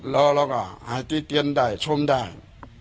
แล้วก็ติ้เตียนได้ชมได้